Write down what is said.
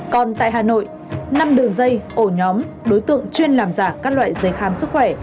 còn tại hà nội năm đường dây ổ nhóm đối tượng chuyên làm giả các loại giấy khám sức khỏe